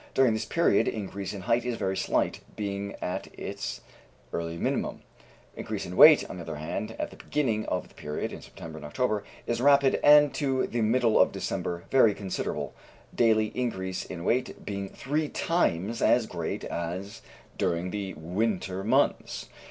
During this period increase in height is very slight, being at its early minimum; increase in weight, on the other hand, at the beginning of the period (in September and October), is rapid and to the middle of December very considerable, daily increase in weight being three times as great as during the winter months.